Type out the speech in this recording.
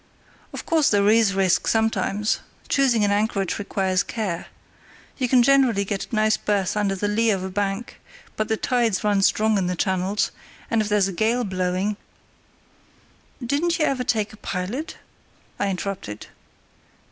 "Of course there is risk sometimes—choosing an anchorage requires care. You can generally get a nice berth under the lee of a bank, but the tides run strong in the channels, and if there's a gale blowing——" "Didn't you ever take a pilot?" I interrupted.